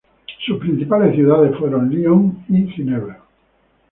Sus principales ciudades fueron Lyon y Ginebra.